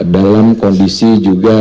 dalam kondisi juga